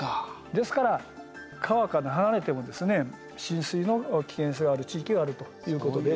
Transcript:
ですから川から離れても浸水の危険性がある地域があるということで注意が必要です。